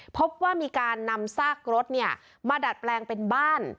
พบว่ามีการนำซากรถมาดัดแปลงเป็นบ้าน